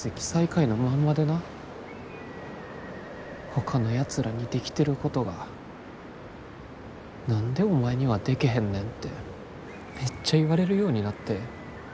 ほかのやつらにできてることが何でお前にはでけへんねんてめっちゃ言われるようになって。